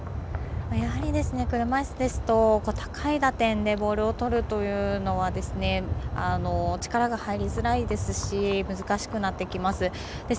やはり、車いすですと高い打点でボールをとるというのは力が入りづらいですし難しくなってきます。